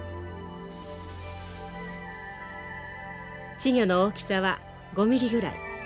稚魚の大きさは５ミリぐらい。